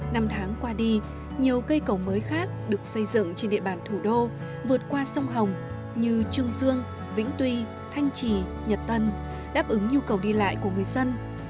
năm tháng qua đi nhiều cây cầu mới khác được xây dựng trên địa bàn thủ đô vượt qua sông hồng như trương dương vĩnh tuy thanh trì nhật tân đáp ứng nhu cầu đi lại của người dân